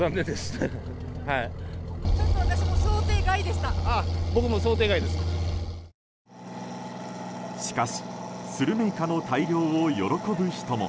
しかしスルメイカの大漁を喜ぶ人も。